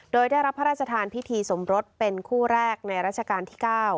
โดยได้รับพระราชทานพิธีสมรสเป็นคู่แรกในราชการที่๙